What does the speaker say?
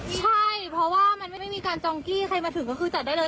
ใช่เพราะว่ามันไม่ได้มีการจองกี้ใครมาถึงก็คือจัดได้เลย